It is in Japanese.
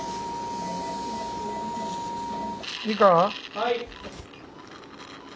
・はい。